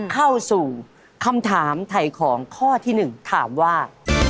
เข้าสู่คำถามไถ่ของข้อที่๑ถามว่า